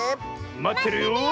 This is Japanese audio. まってるよ！